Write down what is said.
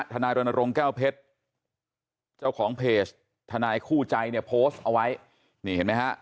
นายรณรงค์แก้วเพชรเจ้าของเพจทนายคู่ใจเนี่ยโพสต์เอาไว้นี่เห็นไหมฮะ